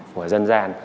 của dân gian